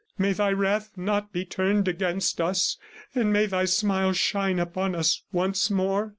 ... May thy wrath not be turned against us, and may thy smile shine upon us once more!"